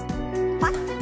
パッ。